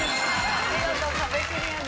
見事壁クリアです。